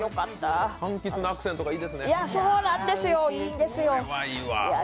柑橘のアクセントがいいですね。